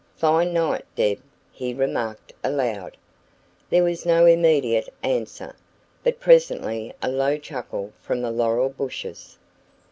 "Fine night, Deb," he remarked aloud. There was no immediate answer, but presently a low chuckle from the laurel bushes.